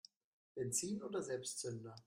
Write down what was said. Benzin oder Selbstzünder?